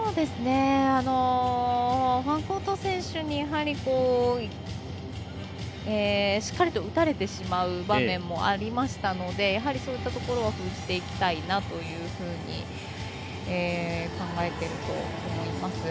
ファンコート選手にしっかりと打たれてしまう場面もありましたのでそういったところは封じていきたいなと考えてると思います。